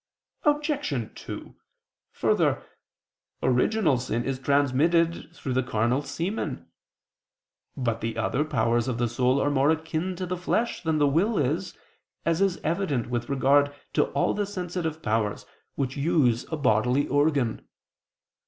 Obj. 2: Further, original sin is transmitted through the carnal semen. But the other powers of the soul are more akin to the flesh than the will is, as is evident with regard to all the sensitive powers, which use a bodily organ.